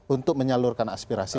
untuk menyalurkan aspirasi